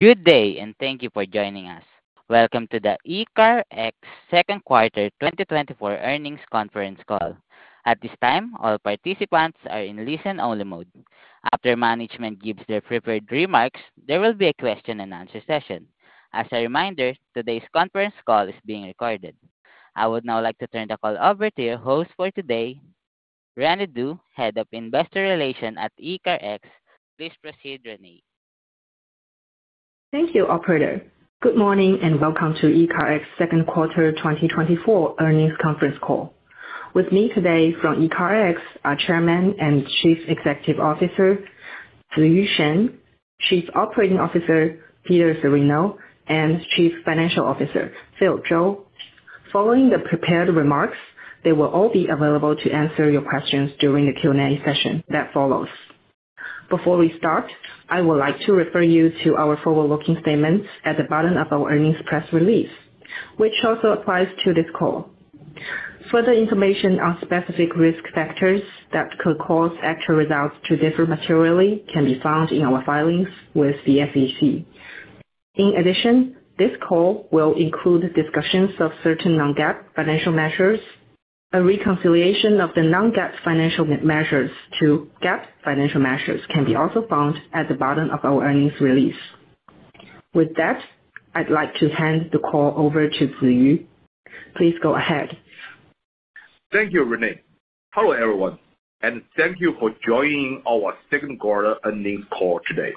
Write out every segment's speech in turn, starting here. Good day, and thank you for joining us. Welcome to the ECARX Second Quarter 2024 Earnings Conference Call. At this time, all participants are in listen-only mode. After management gives their prepared remarks, there will be a question-and-answer session. As a reminder, today's conference call is being recorded. I would now like to turn the call over to your host for today, Rene Du, Head of Investor Relations at ECARX. Please proceed, Rene. Thank you, Operator. Good morning and welcome to ECARX Second Quarter 2024 Earnings Conference Call. With me today from ECARX are Chairman and Chief Executive Officer Ziyu Shen, Chief Operating Officer Peter Cirino, and Chief Financial Officer Phil Zhou. Following the prepared remarks, they will all be available to answer your questions during the Q&A session that follows. Before we start, I would like to refer you to our forward-looking statements at the bottom of our earnings press release, which also applies to this call. Further information on specific risk factors that could cause actual results to differ materially can be found in our filings with the SEC. In addition, this call will include discussions of certain non-GAAP financial measures. A reconciliation of the non-GAAP financial measures to GAAP financial measures can be also found at the bottom of our earnings release. With that, I'd like to hand the call over to Ziyu. Please go ahead. Thank you, Rene. Hello, everyone, and thank you for joining our second quarter earnings call today.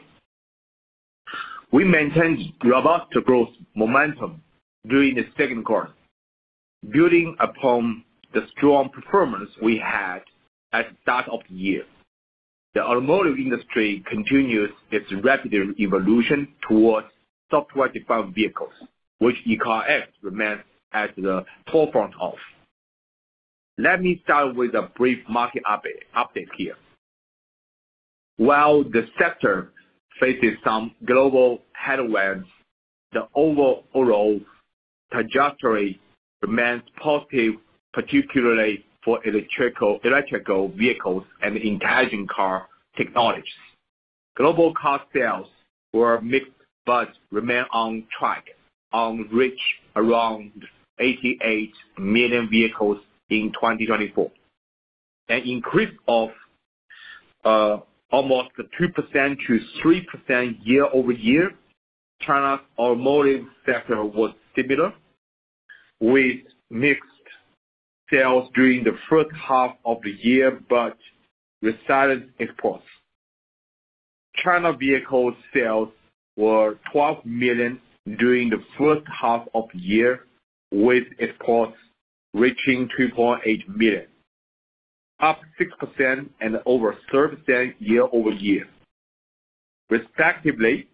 We maintained robust growth momentum during the second quarter, building upon the strong performance we had at the start of the year. The automotive industry continues its rapid evolution towards software-defined vehicles, which ECARX remains at the forefront of. Let me start with a brief market update here. While the sector faces some global headwinds, the overall trajectory remains positive, particularly for electric vehicles and intelligent car technologies. Global car sales were mixed but remain on track, averaging around 88 million vehicles in 2024. An increase of almost 2%-3% year-over-year. China's automotive sector was similar, with mixed sales during the first half of the year but resilient exports. China vehicle sales were 12 million during the first half of the year, with exports reaching 2.8 million, up 6% and over 3% year-over-year. Respectively,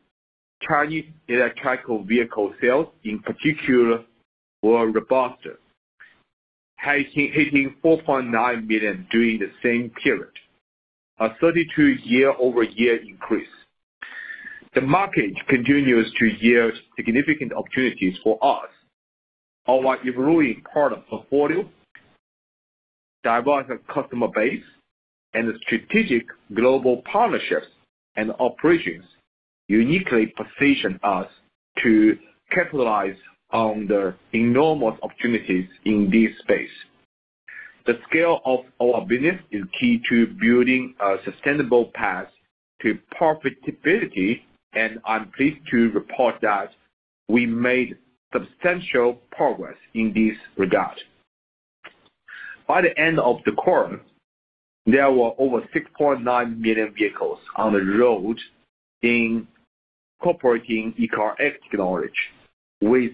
Chinese electric vehicle sales, in particular, were robust, hitting 4.9 million during the same period, a 32% year-over-year increase. The market continues to yield significant opportunities for us. Our evolving portfolio, diverse customer base, and strategic global partnerships and operations uniquely position us to capitalize on the enormous opportunities in this space. The scale of our business is key to building a sustainable path to profitability, and I'm pleased to report that we made substantial progress in this regard. By the end of the quarter, there were over 6.9 million vehicles on the road incorporating ECARX technology, with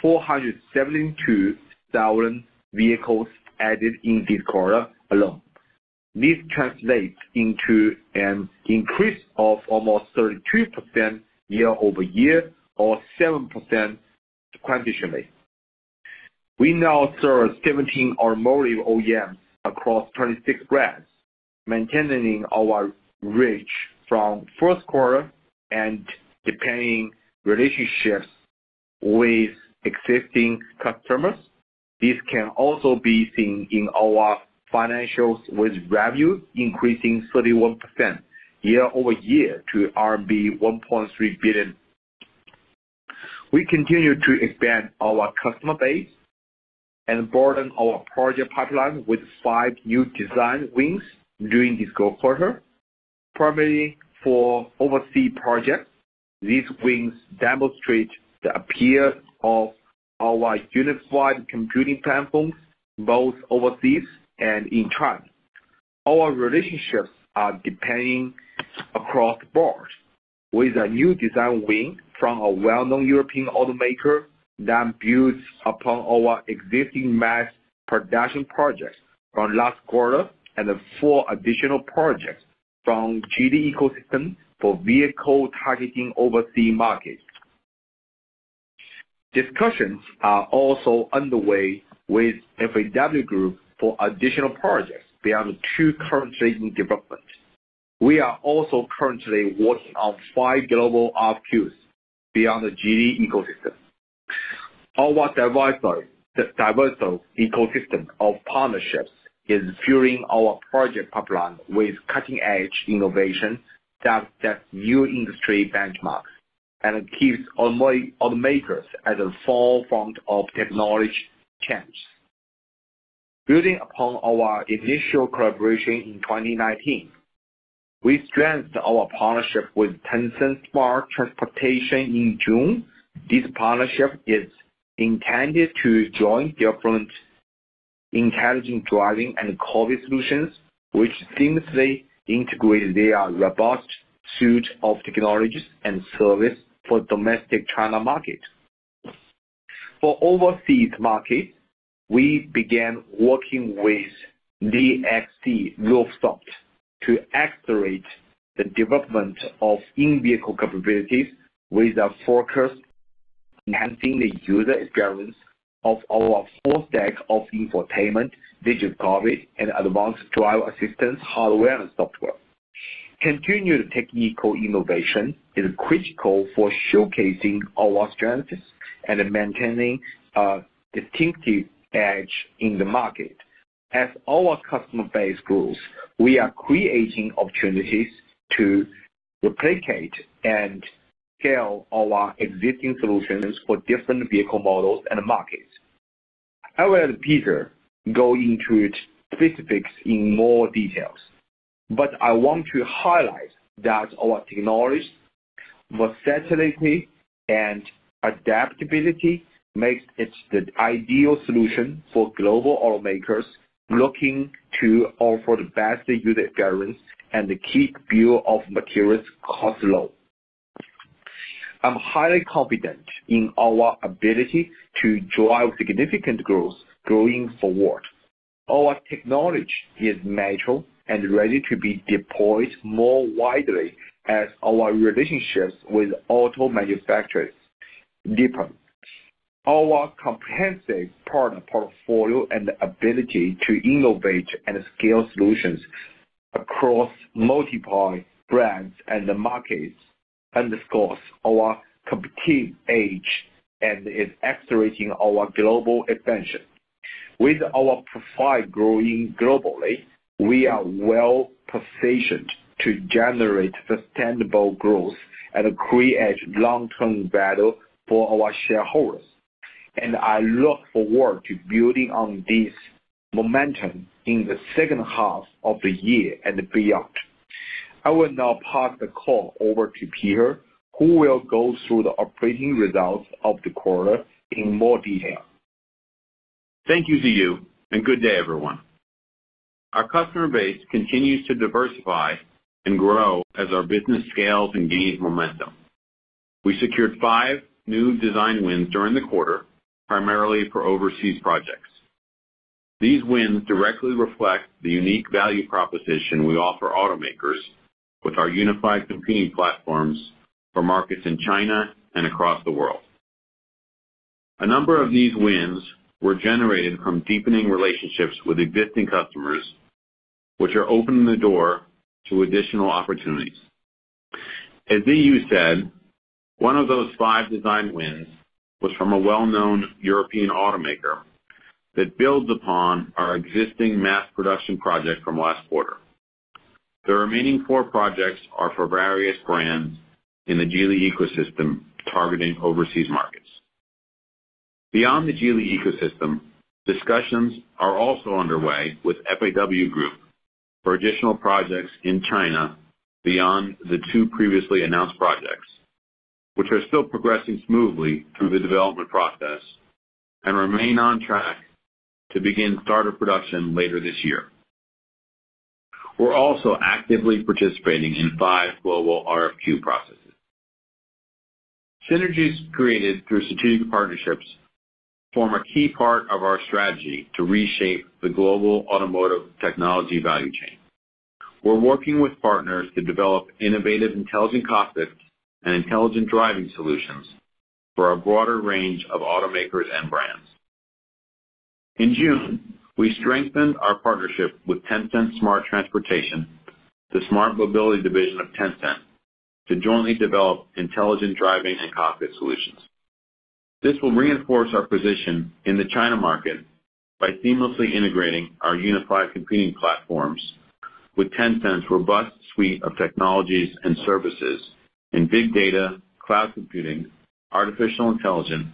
472,000 vehicles added in this quarter alone. This translates into an increase of almost 32% year-over-year or 7% sequentially. We now serve 17 automotive OEMs across 26 brands, maintaining our reach from first quarter and deepening relationships with existing customers. This can also be seen in our financials, with revenue increasing 31% year-over-year to RMB 1.3 billion. We continue to expand our customer base and broaden our project pipeline with five new design wins during this quarter, primarily for overseas projects. These wins demonstrate the appeal of our unified computing platforms both overseas and in China. Our relationships are deepening across the board, with a new design win from a well-known European automaker that builds upon our existing mass production projects from last quarter and four additional projects from Geely Ecosystem for vehicles targeting overseas markets. Discussions are also underway with FAW Group for additional projects beyond the two currently in development. We are also currently working on five global RFQs beyond the Geely Ecosystem. Our diverse ecosystem of partnerships is fueling our project pipeline with cutting-edge innovation that sets new industry benchmarks and keeps automakers at the forefront of technology change. Building upon our initial collaboration in 2019, we strengthened our partnership with Tencent Smart Transportation in June. This partnership is intended to join different intelligent driving and cockpit solutions, which seamlessly integrate their robust suite of technologies and services for the domestic China market. For overseas markets, we began working with DXC Technology to accelerate the development of in-vehicle capabilities with a focus on enhancing the user experience of our full stack of infotainment, digital cockpit, and advanced driver assistance hardware and software. Continued technical innovation is critical for showcasing our strengths and maintaining a distinctive edge in the market. As our customer base grows, we are creating opportunities to replicate and scale our existing solutions for different vehicle models and markets. I will later go into specifics in more detail, but I want to highlight that our technology, versatility, and adaptability make it the ideal solution for global automakers looking to offer the best user experience and keep bill of materials costs low. I'm highly confident in our ability to drive significant growth going forward. Our technology is mature and ready to be deployed more widely as our relationships with auto manufacturers deepen. Our comprehensive product portfolio and ability to innovate and scale solutions across multiple brands and markets underscores our competitive edge and is accelerating our global expansion. With our profile growing globally, we are well-positioned to generate sustainable growth and create long-term value for our shareholders, and I look forward to building on this momentum in the second half of the year and beyond. I will now pass the call over to Peter, who will go through the operating results of the quarter in more detail. Thank you, Ziyu, and good day, everyone. Our customer base continues to diversify and grow as our business scales and gains momentum. We secured five new design wins during the quarter, primarily for overseas projects. These wins directly reflect the unique value proposition we offer automakers with our unified computing platforms for markets in China and across the world. A number of these wins were generated from deepening relationships with existing customers, which are opening the door to additional opportunities. As Ziyu said, one of those five design wins was from a well-known European automaker that builds upon our existing mass production project from last quarter. The remaining four projects are for various brands in the Geely Ecosystem targeting overseas markets. Beyond the Geely Ecosystem, discussions are also underway with FAW Group for additional projects in China beyond the two previously announced projects, which are still progressing smoothly through the development process and remain on track to begin start of production later this year. We're also actively participating in five global RFQ processes. Synergies created through strategic partnerships form a key part of our strategy to reshape the global automotive technology value chain. We're working with partners to develop innovative intelligent cockpits and intelligent driving solutions for a broader range of automakers and brands. In June, we strengthened our partnership with Tencent Smart Transportation, the smart mobility division of Tencent, to jointly develop intelligent driving and cockpit solutions. This will reinforce our position in the China market by seamlessly integrating our unified computing platforms with Tencent's robust suite of technologies and services in big data, cloud computing, artificial intelligence,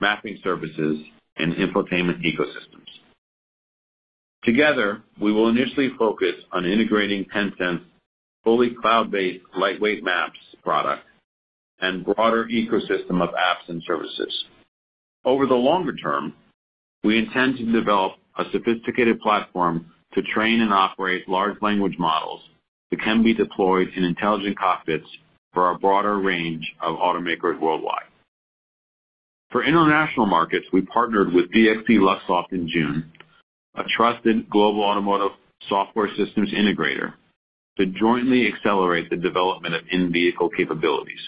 mapping services, and infotainment ecosystems. Together, we will initially focus on integrating Tencent's fully cloud-based lightweight maps product and broader ecosystem of apps and services. Over the longer term, we intend to develop a sophisticated platform to train and operate large language models that can be deployed in intelligent cockpits for a broader range of automakers worldwide. For international markets, we partnered with DXC Luxoft in June, a trusted global automotive software systems integrator, to jointly accelerate the development of in-vehicle capabilities.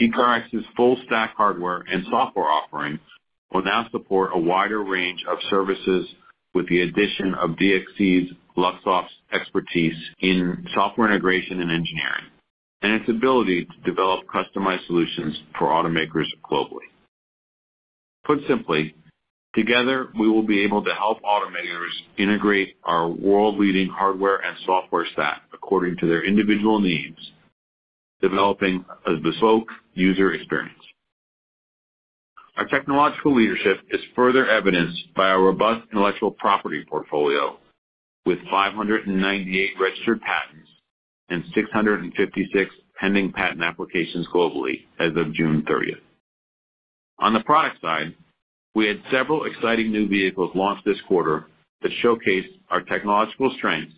ECARX's full-stack hardware and software offering will now support a wider range of services with the addition of DXC's Luxoft's expertise in software integration and engineering and its ability to develop customized solutions for automakers globally. Put simply, together, we will be able to help automakers integrate our world-leading hardware and software stack according to their individual needs, developing a bespoke user experience. Our technological leadership is further evidenced by our robust intellectual property portfolio with 598 registered patents and 656 pending patent applications globally as of June 30th. On the product side, we had several exciting new vehicles launched this quarter that showcase our technological strengths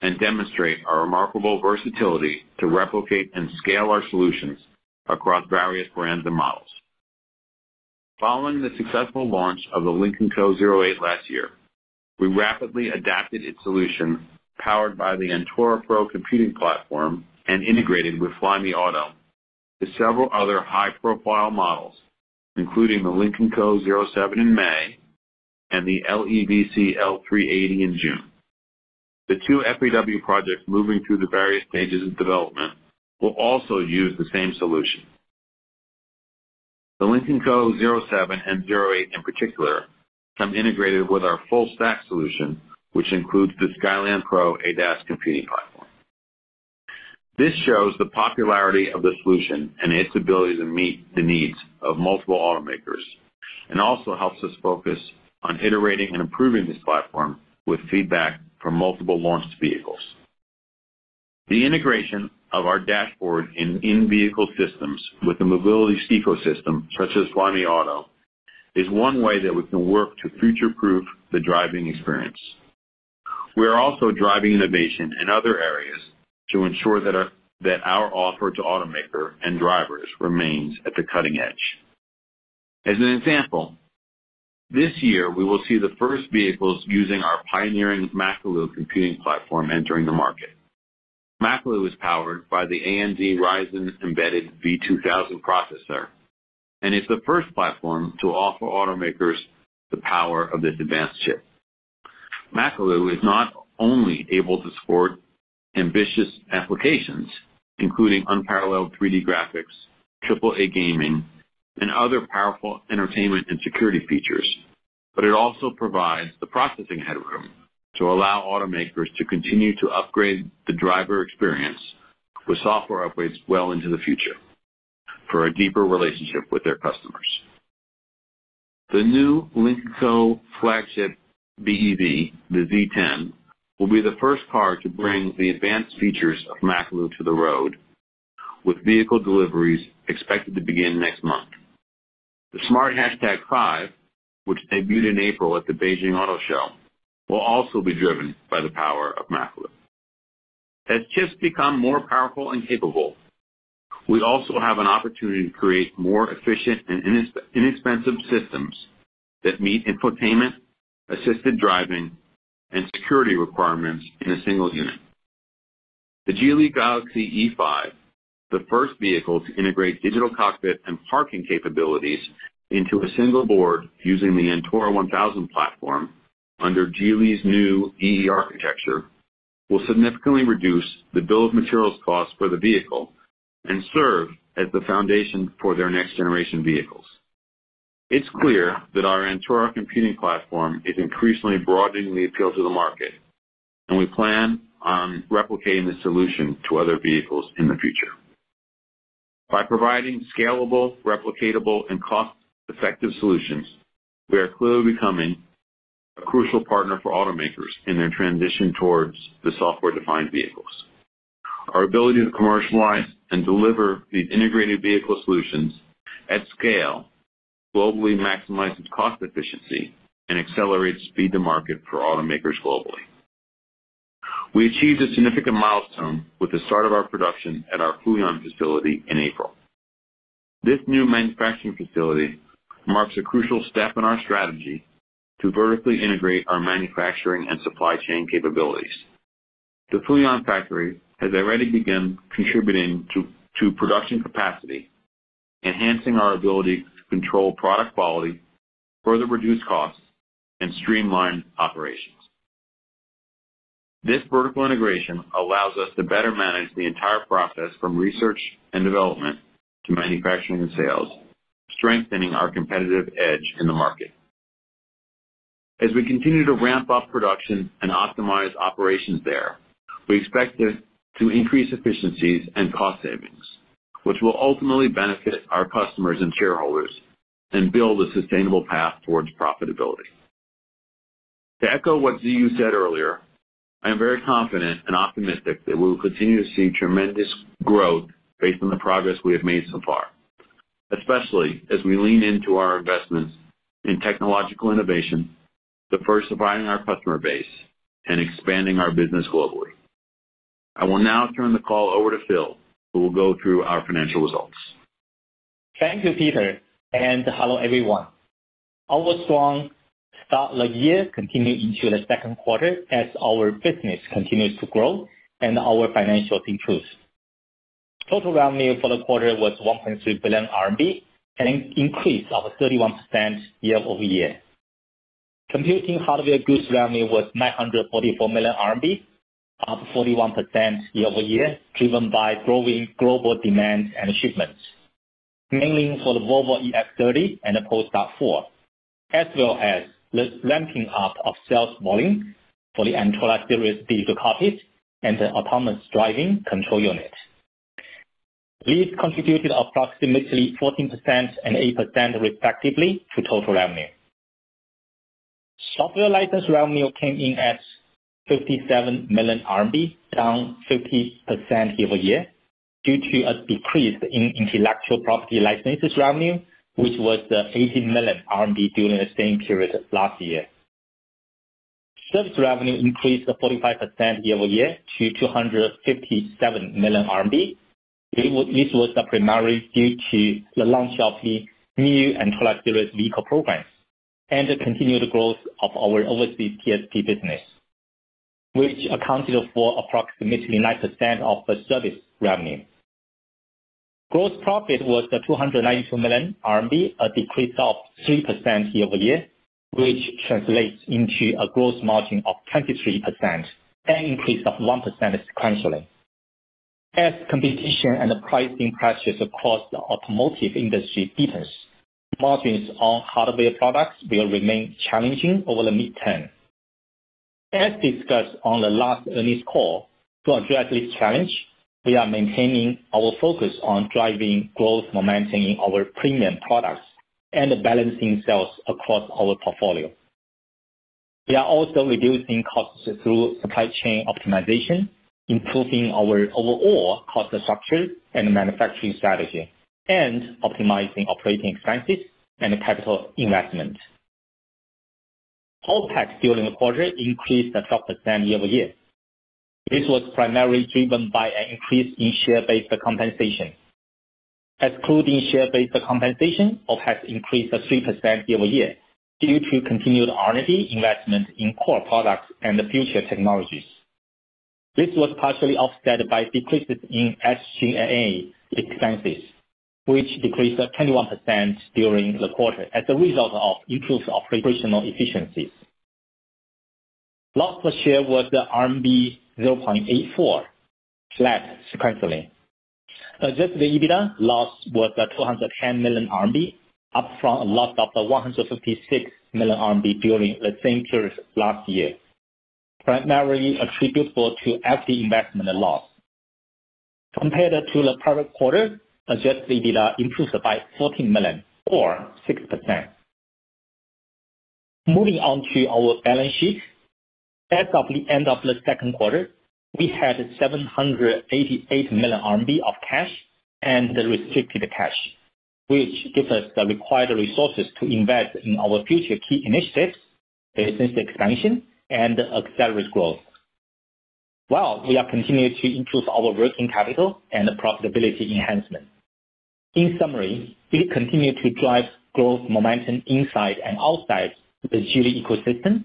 and demonstrate our remarkable versatility to replicate and scale our solutions across various brands and models. Following the successful launch of the Lynk & Co 08 last year, we rapidly adapted its solution powered by the Antora Pro computing platform and integrated with Flyme Auto to several other high-profile models, including the Lynk & Co 07 in May and the LEVC L380 in June. The two FAW projects moving through the various stages of development will also use the same solution. The Lynk & Co 07 and 08, in particular, come integrated with our full-stack solution, which includes the Skyland Pro ADAS computing platform. This shows the popularity of the solution and its ability to meet the needs of multiple automakers and also helps us focus on iterating and improving this platform with feedback from multiple launched vehicles. The integration of our dashboard and in-vehicle systems with the mobility ecosystem such as Flyme Auto is one way that we can work to future-proof the driving experience. We are also driving innovation in other areas to ensure that our offer to automaker and drivers remains at the cutting edge. As an example, this year, we will see the first vehicles using our pioneering Makalu computing platform entering the market. Makalu is powered by the AMD Ryzen Embedded V2000 processor and is the first platform to offer automakers the power of this advanced chip. Makalu is not only able to support ambitious applications, including unparalleled 3D graphics, AAA gaming, and other powerful entertainment and security features, but it also provides the processing headroom to allow automakers to continue to upgrade the driver experience with software upgrades well into the future for a deeper relationship with their customers. The new Lynk & Co flagship BEV, the Z10, will be the first car to bring the advanced features of Makalu to the road, with vehicle deliveries expected to begin next month. The Smart #5, which debuted in April at the Beijing Auto Show, will also be driven by the power of Makalu. As chips become more powerful and capable, we also have an opportunity to create more efficient and inexpensive systems that meet infotainment, assisted driving, and security requirements in a single unit. The Geely Galaxy E5, the first vehicle to integrate digital cockpit and parking capabilities into a single board using the Antora 1000 platform under Geely's new EE architecture, will significantly reduce the bill of materials costs for the vehicle and serve as the foundation for their next-generation vehicles. It's clear that our Antora computing platform is increasingly broadening the appeal to the market, and we plan on replicating the solution to other vehicles in the future. By providing scalable, replicatable, and cost-effective solutions, we are clearly becoming a crucial partner for automakers in their transition towards the software-defined vehicles. Our ability to commercialize and deliver these integrated vehicle solutions at scale globally maximizes cost efficiency and accelerates speed to market for automakers globally. We achieved a significant milestone with the start of our production at our Fuyang facility in April. This new manufacturing facility marks a crucial step in our strategy to vertically integrate our manufacturing and supply chain capabilities. The Fuyang factory has already begun contributing to production capacity, enhancing our ability to control product quality, further reduce costs, and streamline operations. This vertical integration allows us to better manage the entire process from research and development to manufacturing and sales, strengthening our competitive edge in the market. As we continue to ramp up production and optimize operations there, we expect to increase efficiencies and cost savings, which will ultimately benefit our customers and shareholders and build a sustainable path towards profitability. To echo what Ziyu said earlier, I am very confident and optimistic that we will continue to see tremendous growth based on the progress we have made so far, especially as we lean into our investments in technological innovation, diversifying our customer base, and expanding our business globally. I will now turn the call over to Phil, who will go through our financial results. Thank you, Peter, and hello everyone. Our strong start of the year continues into the second quarter as our business continues to grow and our financials improve. Total revenue for the quarter was 1.3 billion RMB, an increase of 31% year-over-year. Computing hardware goods revenue was 944 million RMB, up 41% year-over-year, driven by growing global demand and shipments, mainly for the Volvo EX30 and the Polestar 4, as well as the ramping up of sales volume for the Antora series digital cockpit and the autonomous driving control unit. These contributed approximately 14% and 8% respectively to total revenue. Software license revenue came in at 57 million RMB, down 50% year-over-year, due to a decrease in intellectual property licenses revenue, which was 80 million RMB during the same period last year. Service revenue increased 45% year-over-year to 257 million RMB. This was primarily due to the launch of the new Antora series vehicle program and the continued growth of our overseas TSP business, which accounted for approximately 9% of the service revenue. Gross profit was 292 million RMB, a decrease of 3% year-over-year, which translates into a gross margin of 23% and an increase of 1% sequentially. As competition and pricing pressures across the automotive industry deepens, margins on hardware products will remain challenging over the midterm. As discussed on the last earnings call, to address this challenge, we are maintaining our focus on driving growth momentum in our premium products and balancing sales across our portfolio. We are also reducing costs through supply chain optimization, improving our overall cost structure and manufacturing strategy, and optimizing operating expenses and capital investment. OpEx during the quarter increased 12% year-over-year. This was primarily driven by an increase in share-based compensation. Excluding share-based compensation, OpEx increased 3% year-over-year due to continued R&D investment in core products and future technologies. This was partially offset by decreases in SG&A expenses, which decreased 21% during the quarter as a result of improved operational efficiencies. Loss per share was RMB 0.84, flat sequentially. Adjusted EBITDA loss was 210 million RMB, up from a loss of 156 million RMB during the same period last year, primarily attributable to equity investment loss. Compared to the prior quarter, adjusted EBITDA improved by CNY 14 million, or 6%. Moving on to our balance sheet, as of the end of the second quarter, we had 788 million RMB of cash and restricted cash, which gives us the required resources to invest in our future key initiatives, business expansion, and accelerate growth, while we are continuing to improve our working capital and profitability enhancement. In summary, we continue to drive growth momentum inside and outside the Geely ecosystem,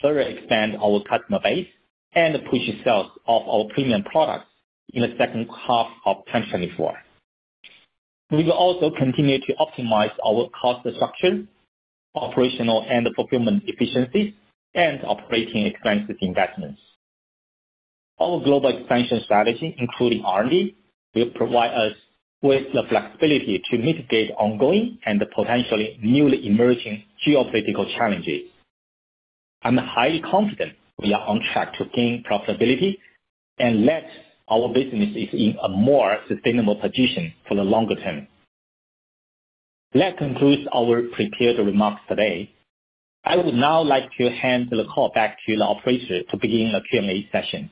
further expand our customer base, and push sales of our premium products in the second half of 2024. We will also continue to optimize our cost structure, operational and fulfillment efficiencies, and operating expenses investments. Our global expansion strategy, including R&D, will provide us with the flexibility to mitigate ongoing and potentially newly emerging geopolitical challenges. I'm highly confident we are on track to gain profitability and let our businesses in a more sustainable position for the longer term. That concludes our prepared remarks today. I would now like to hand the call back to the operator to begin a Q&A session.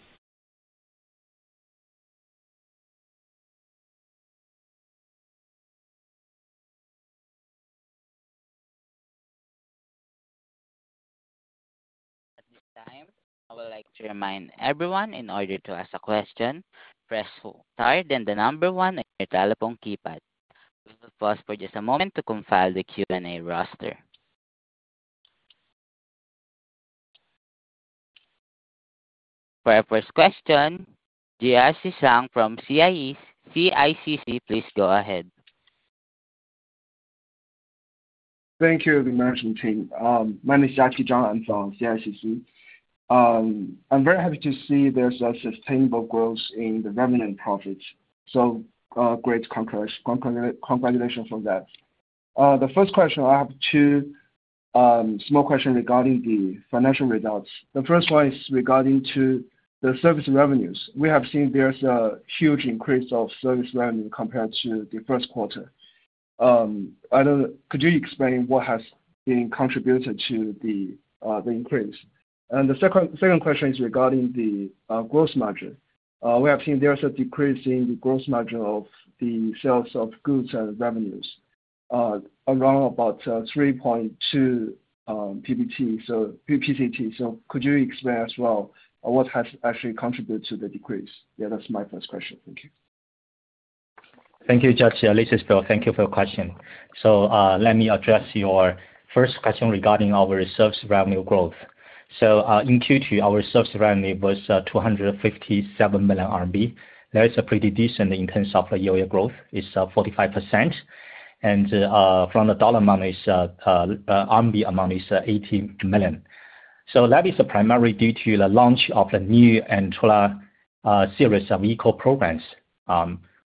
At this time, I would like to remind everyone in order to ask a question, press star then the number one on your telephone keypad. We will pause for just a moment to compile the Q&A roster. For our first question, Jiaxi Zhang from CICC, please go ahead. Thank you, the management team. My name is Jiaxi Zhang from CICC. I'm very happy to see there's a sustainable growth in the revenue and profits. So, great congratulations for that. The first question, I have two small questions regarding the financial results. The first one is regarding the service revenues. We have seen there's a huge increase of service revenue compared to the first quarter. Could you explain what has been contributed to the increase? And the second question is regarding the gross margin. We have seen there's a decrease in the gross margin of the sales of goods and revenues around about 3.2 ppt, so ppt. So could you explain as well what has actually contributed to the decrease? Yeah, that's my first question. Thank you. Thank you, Jiaxi. This is Phil. Thank you for your question. So let me address your first question regarding our service revenue growth. So in Q2, our service revenue was 257 million RMB. That is a pretty decent in terms of year-over-year growth. It's 45%. And from the dollar amount, RMB amount is 80 million. So that is primarily due to the launch of the new Antora series vehicle programs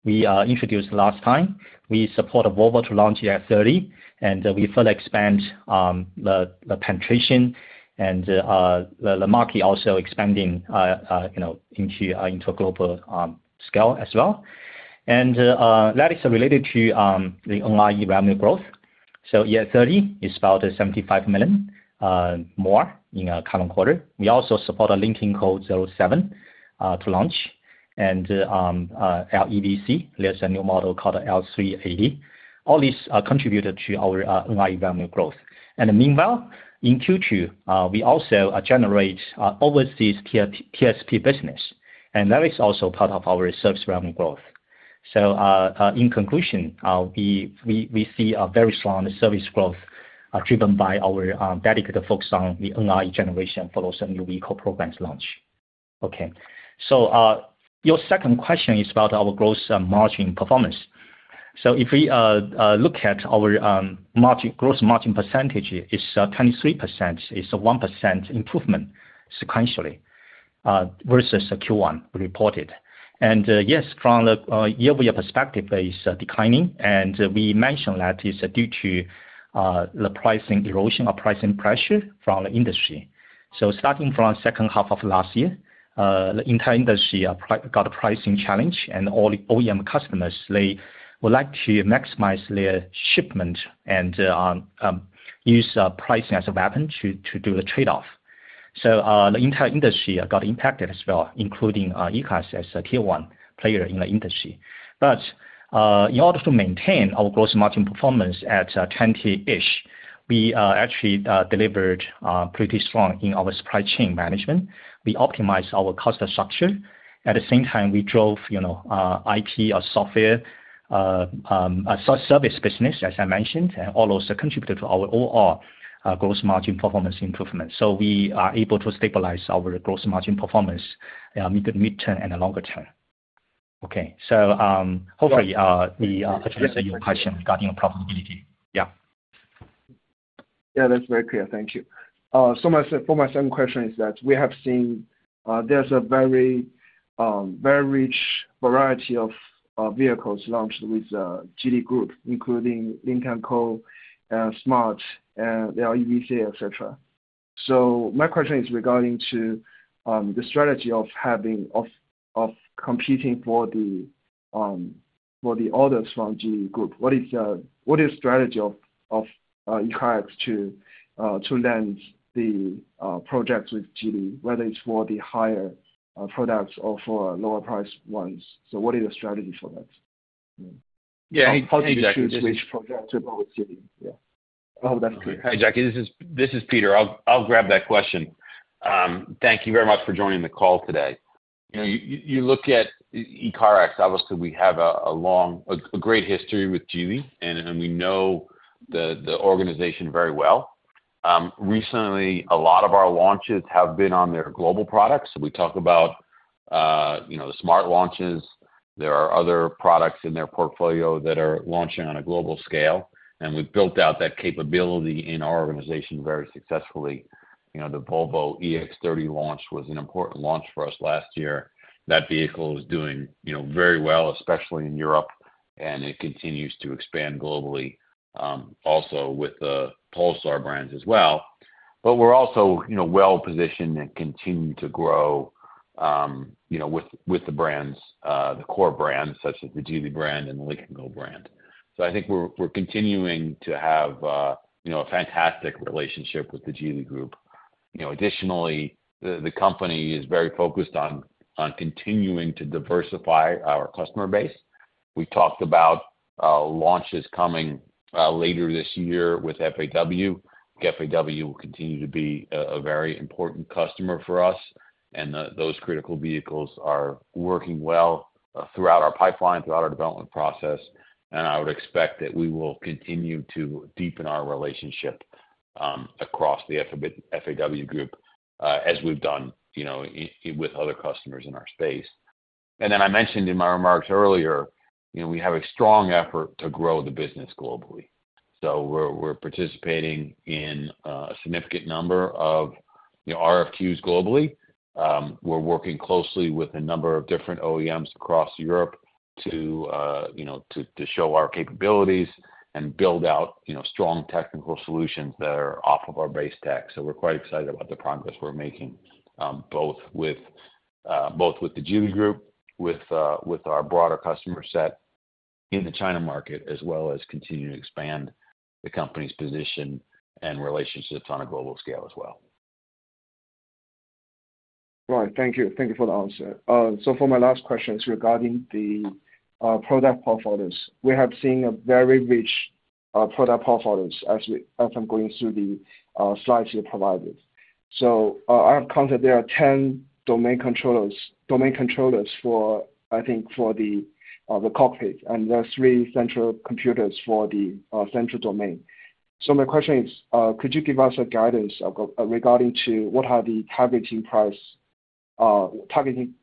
we introduced last time. We support Volvo to launch EX30, and we further expand the penetration, and the market also expanding into a global scale as well. And that is related to the online revenue growth. So EX30 is about 75 million more in the current quarter. We also support a Lynk & Co 07 to launch, and LEVC, there's a new model called L380. All these contributed to our online revenue growth. Meanwhile, in Q2, we also generate overseas TSP business, and that is also part of our service revenue growth. So in conclusion, we see a very strong service growth driven by our dedicated focus on the online generation for those new vehicle programs launch. Okay. So your second question is about our gross margin performance. So if we look at our gross margin percentage, it's 23%. It's a 1% improvement sequentially versus Q1 reported. And yes, from the year-over-year perspective, it's declining, and we mentioned that it's due to the pricing erosion or pricing pressure from the industry. So starting from the second half of last year, the entire industry got a pricing challenge, and all OEM customers, they would like to maximize their shipment and use pricing as a weapon to do the trade-off. So the entire industry got impacted as well, including ECARX as a tier one player in the industry. But in order to maintain our gross margin performance at 20, we actually delivered pretty strong in our supply chain management. We optimized our cost structure. At the same time, we drove IT or software service business, as I mentioned, and all those contributed to our overall gross margin performance improvement. So we are able to stabilize our gross margin performance in the midterm and the longer term. Okay. So hopefully, we addressed your question regarding profitability. Yeah. Yeah, that's very clear. Thank you. So my second question is that we have seen there's a very rich variety of vehicles launched with Geely Group, including Lynk & Co, Smart, and the LEVC, etc. So my question is regarding to the strategy of competing for the orders from Geely Group. What is the strategy of ECARX to lend the projects with Geely, whether it's for the higher products or for lower-priced ones? So what is the strategy for that? Yeah, how do you choose which project to go with Geely? Yeah. I hope that's clear. Hey, Jiaxi. This is Peter. I'll grab that question. Thank you very much for joining the call today. You look at ECARX, obviously, we have a great history with Geely, and we know the organization very well. Recently, a lot of our launches have been on their global products. We talk about the Smart launches. There are other products in their portfolio that are launching on a global scale, and we've built out that capability in our organization very successfully. The Volvo EX30 launch was an important launch for us last year. That vehicle is doing very well, especially in Europe, and it continues to expand globally, also with the Polestar brands as well. But we're also well-positioned and continue to grow with the brands, the core brands, such as the Geely brand and the Lynk & Co brand. So I think we're continuing to have a fantastic relationship with the Geely Group. Additionally, the company is very focused on continuing to diversify our customer base. We talked about launches coming later this year with FAW. FAW will continue to be a very important customer for us, and those critical vehicles are working well throughout our pipeline, throughout our development process. And I would expect that we will continue to deepen our relationship across the FAW Group, as we've done with other customers in our space. And then I mentioned in my remarks earlier, we have a strong effort to grow the business globally. So we're participating in a significant number of RFQs globally. We're working closely with a number of different OEMs across Europe to show our capabilities and build out strong technical solutions that are off of our base tech. So we're quite excited about the progress we're making, both with the Geely Group, with our broader customer set in the China market, as well as continue to expand the company's position and relationships on a global scale as well. Right. Thank you. Thank you for the answer. So for my last question, it's regarding the product portfolios. We have seen a very rich product portfolios as I'm going through the slides you provided. So I have counted there are 10 domain controllers for, I think, for the cockpit, and there are 3 central computers for the central domain. So my question is, could you give us guidance regarding to what are the targeting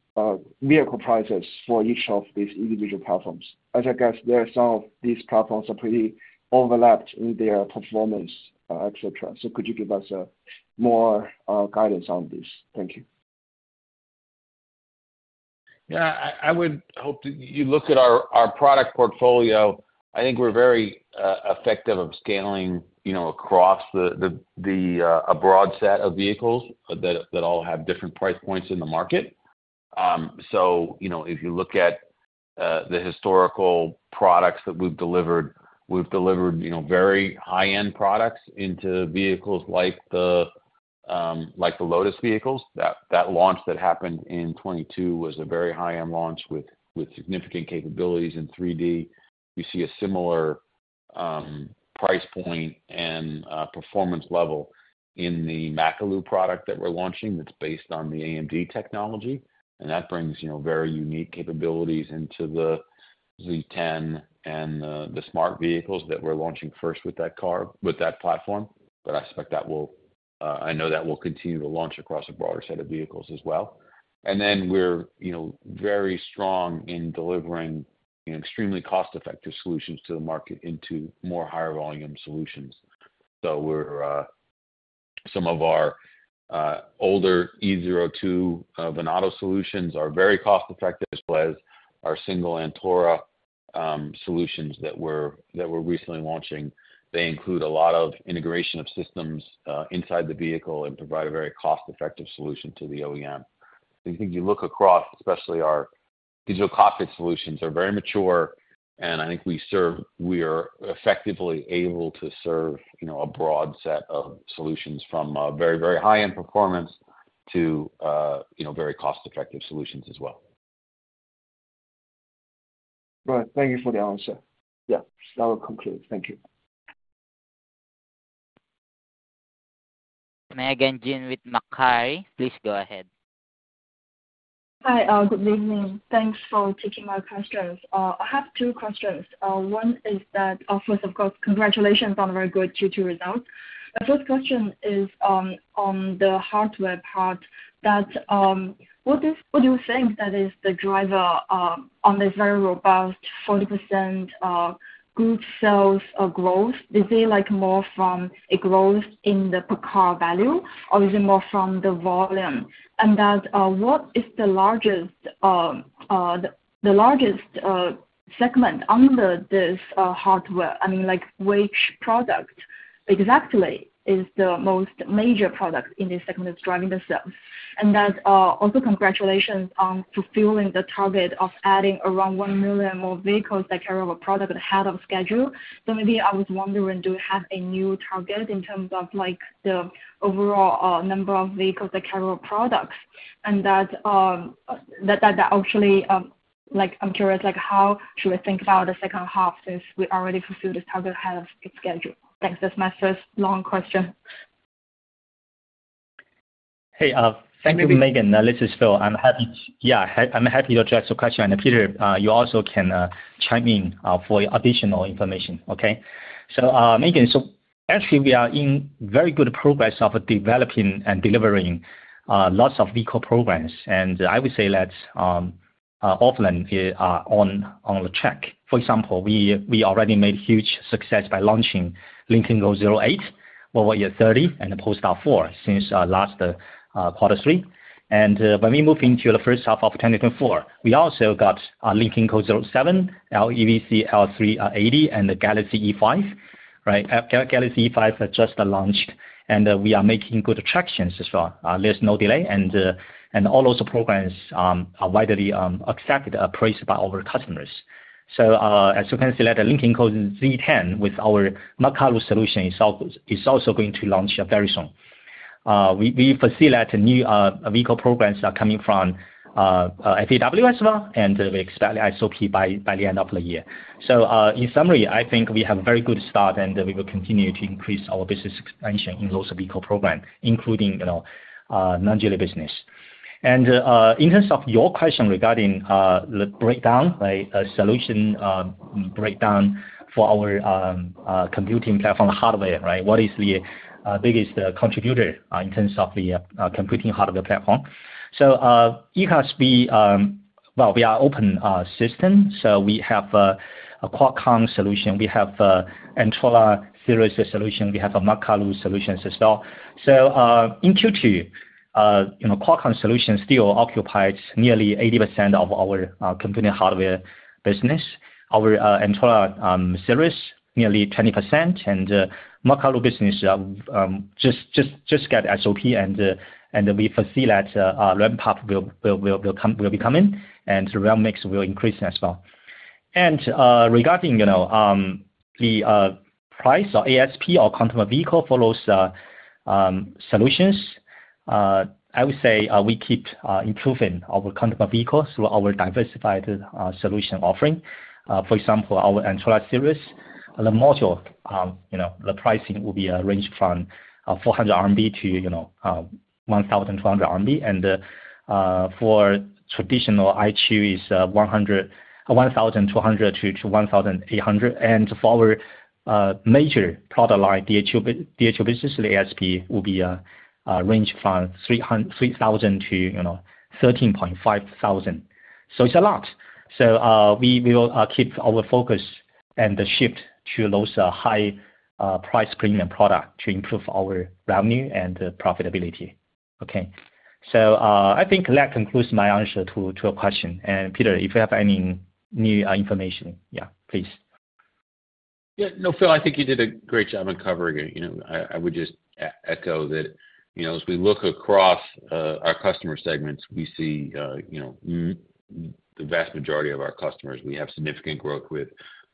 vehicle prices for each of these individual platforms? As I guess, there are some of these platforms that are pretty overlapped in their performance, etc. So could you give us more guidance on this? Thank you. Yeah. I would hope that you look at our product portfolio. I think we're very effective at scaling across a broad set of vehicles that all have different price points in the market. So if you look at the historical products that we've delivered, we've delivered very high-end products into vehicles like the Lotus vehicles. That launch that happened in 2022 was a very high-end launch with significant capabilities in 3D. You see a similar price point and performance level in the Makalu product that we're launching that's based on the AMD technology. And that brings very unique capabilities into the Z10 and the Smart vehicles that we're launching first with that platform. But I expect that will. I know that will continue to launch across a broader set of vehicles as well. And then we're very strong in delivering extremely cost-effective solutions to the market into more higher volume solutions. So some of our older E02 Venucia solutions are very cost-effective, as well as our single Antora solutions that we're recently launching. They include a lot of integration of systems inside the vehicle and provide a very cost-effective solution to the OEM. I think you look across, especially our Digital Cockpit Solutions are very mature, and I think we are effectively able to serve a broad set of solutions from very, very high-end performance to very cost-effective solutions as well. Right. Thank you for the answer. Yeah. That will conclude. Thank you. Megan Jin with Macquarie. Please go ahead. Hi. Good evening. Thanks for taking my questions. I have two questions. One is that, first of course, congratulations on very good Q2 results. The first question is on the hardware part. What do you think that is the driver on this very robust 40% group sales growth? Is it more from a growth in the per car value, or is it more from the volume? And what is the largest segment under this hardware? I mean, which product exactly is the most major product in this segment that's driving the sales? And also congratulations on fulfilling the target of adding around 1,000,000 more vehicles that carry over product ahead of schedule. So maybe I was wondering, do you have a new target in terms of the overall number of vehicles that carry over products? That actually, I'm curious, how should we think about the second half since we already fulfilled this target ahead of schedule? Thanks. That's my first long question. Hey. Thank you, Megan. This is Phil. Yeah, I'm happy to address your question. And Peter, you also can chime in for additional information. Okay. So Megan, so actually, we are in very good progress of developing and delivering lots of vehicle programs. And I would say that all fine, it's on track. For example, we already made huge success by launching Lynk & Co 08, Volvo EX30, and the Polestar 4 since last Q3. And when we moved into the first half of 2024, we also got Lynk & Co 07, LEVC L380, and the Galaxy E5. Right? Galaxy E5 just launched, and we are making good traction as well. There's no delay. And all those programs are widely accepted, appraised by our customers. So as you can see, the Lynk & Co Z10 with our Makalu solution is also going to launch very soon. We foresee that new vehicle programs are coming from FAW as well, and we expect the SOP by the end of the year. So in summary, I think we have a very good start, and we will continue to increase our business expansion in those vehicle programs, including non-Geely business. And in terms of your question regarding the breakdown, solution breakdown for our computing platform hardware, right? What is the biggest contributor in terms of the computing hardware platform? So ECARX, well, we are an open system. So we have a Qualcomm solution. We have an Antora series solution. We have a Makalu solution as well. So in Q2, Qualcomm solution still occupies nearly 80% of our computing hardware business. Our Antora series, nearly 20%. And Makalu business just got SOP, and we foresee that REMPUP will be coming, and REMMIX will increase as well. Regarding the price or ASP or quantum vehicle follows solutions, I would say we keep improving our quantum vehicles through our diversified solution offering. For example, our Antora series, the module, the pricing will be a range from 400-1,200 RMB. For traditional IHU, it's 1,200-1,800. For our major product line, DCU business, the ASP will be a range from 3,000- 13,500. It's a lot. We will keep our focus and shift to those high-price premium products to improve our revenue and profitability. Okay. I think that concludes my answer to your question. Peter, if you have any new information, yeah, please. Yeah. No, Phil, I think you did a great job in covering it. I would just echo that as we look across our customer segments, we see the vast majority of our customers. We have significant growth with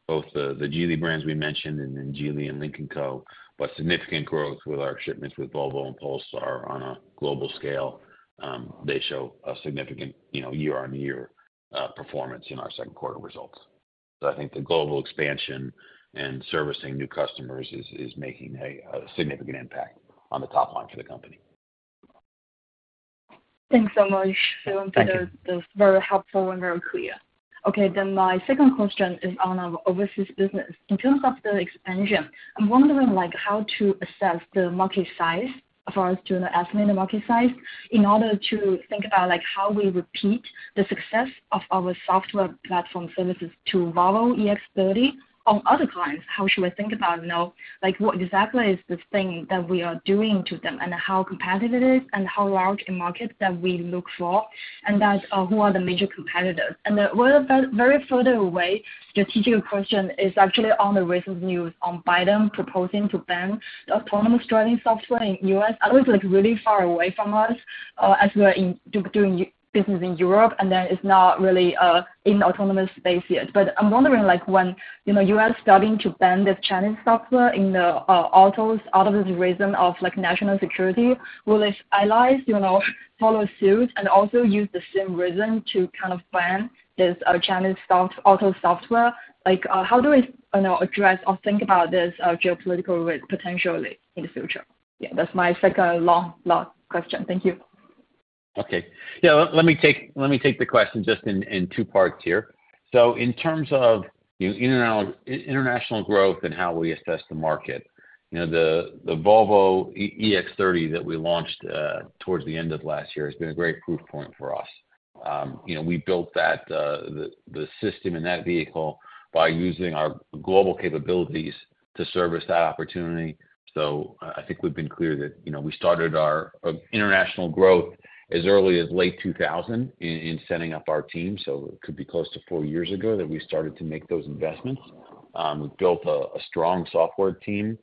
both the Geely brands we mentioned and then Geely and Lynk & Co. But significant growth with our shipments with Volvo and Polestar on a global scale. They show a significant year-on-year performance in our second quarter results. So I think the global expansion and servicing new customers is making a significant impact on the top line for the company. Thanks so much, Phil and Peter. That was very helpful and very clear. Okay. Then my second question is on our overseas business. In terms of the expansion, I'm wondering how to assess the market size as far as to estimate the market size in order to think about how we repeat the success of our software platform services to Volvo EX30 on other clients. How should we think about what exactly is the thing that we are doing to them and how competitive it is and how large a market that we look for and who are the major competitors? And a very further away, strategic question is actually on the recent news on Biden proposing to ban the autonomous driving software in the U.S. I know it's really far away from us as we're doing business in Europe, and then it's not really in the autonomous space yet. But I'm wondering when the U.S. is starting to ban this Chinese software in the autos out of this reason of national security, will its allies follow suit and also use the same reason to kind of ban this Chinese auto software? How do we address or think about this geopolitical risk potentially in the future? Yeah, that's my second long, long question. Thank you. Okay. Yeah. Let me take the question just in two parts here. So in terms of international growth and how we assess the market, the Volvo EX30 that we launched towards the end of last year has been a great proof point for us. We built that, the system in that vehicle by using our global capabilities to service that opportunity. So I think we've been clear that we started our international growth as early as late 2000 in setting up our team. So it could be close to four years ago that we started to make those investments. We built a strong software team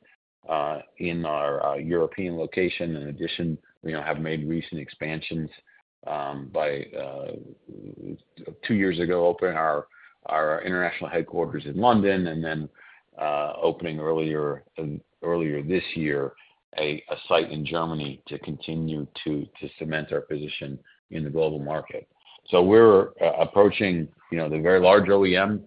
in our European location. In addition, we have made recent expansions by two years ago, opening our international headquarters in London and then opening earlier this year a site in Germany to continue to cement our position in the global market. We're approaching the very large OEM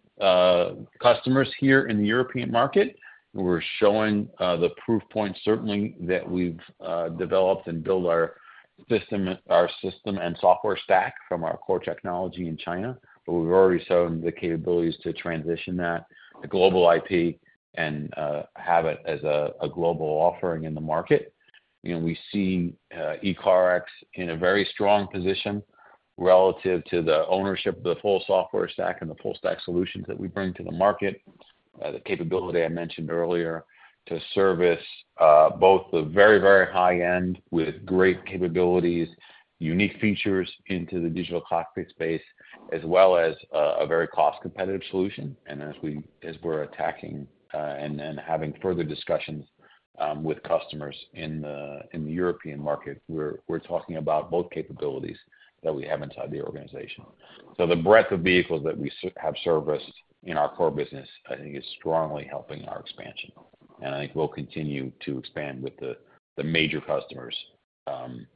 customers here in the European market. We're showing the proof point, certainly, that we've developed and built our system and software stack from our core technology in China. But we've already shown the capabilities to transition that to global IP and have it as a global offering in the market. We see ECARX in a very strong position relative to the ownership of the full software stack and the full stack solutions that we bring to the market, the capability I mentioned earlier to service both the very, very high-end with great capabilities, unique features into the digital cockpit space, as well as a very cost-competitive solution. And as we're attacking and having further discussions with customers in the European market, we're talking about both capabilities that we have inside the organization. The breadth of vehicles that we have serviced in our core business, I think, is strongly helping our expansion. I think we'll continue to expand with the major customers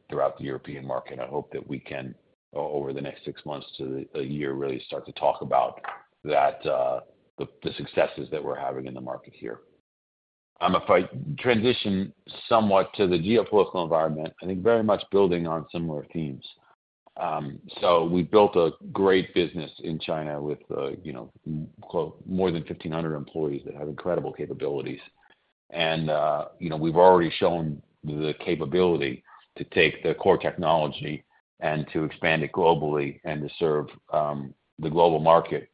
throughout the European market. I hope that we can, over the next six months to a year, really start to talk about the successes that we're having in the market here. I'm going to transition somewhat to the geopolitical environment. I think very much building on similar themes. We built a great business in China with more than 1,500 employees that have incredible capabilities. We've already shown the capability to take the core technology and to expand it globally and to serve the global market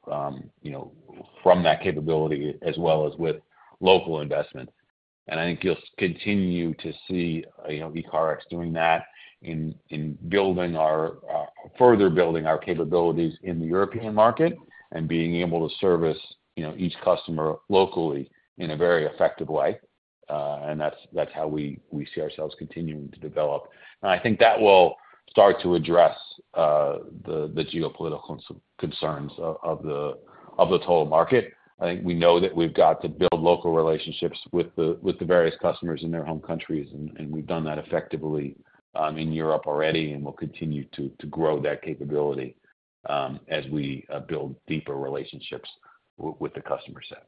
from that capability as well as with local investments. And I think you'll continue to see ECARX doing that in further building our capabilities in the European market and being able to service each customer locally in a very effective way. And that's how we see ourselves continuing to develop. And I think that will start to address the geopolitical concerns of the total market. I think we know that we've got to build local relationships with the various customers in their home countries. And we've done that effectively in Europe already and will continue to grow that capability as we build deeper relationships with the customer set.